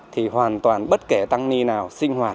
thì hoàn toàn bất kể tăng ni nào